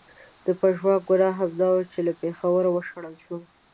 د پژواک ګناه همدا وه چې له پېښوره و شړل شو.